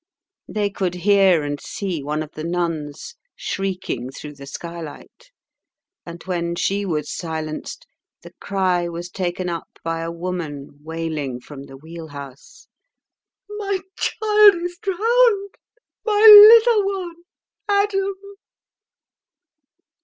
They could hear and see one of the nuns shrieking through the skylight, and when she was silenced the cry was taken up by a woman wailing from the wheelhouse, "My child is drowned, my little one, Adam!"